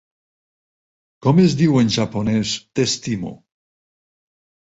Com es diu en japonès 't'estimo'?